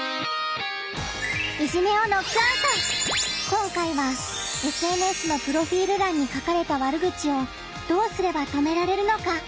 今回はＳＮＳのプロフィール欄に書かれた悪口をどうすれば止められるのか考えるよ！